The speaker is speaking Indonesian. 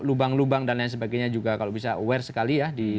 lubang lubang dan lain sebagainya juga kalau bisa aware sekali ya